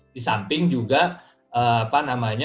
di samping juga